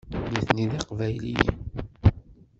Nitni d Iqbayliyen.